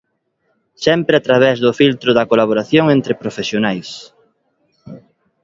Sempre a través do filtro da colaboración entre profesionais.